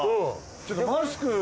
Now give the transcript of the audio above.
ちょっとマスク。